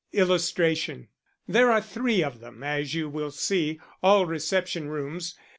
There are three of them, as you will see, all reception rooms.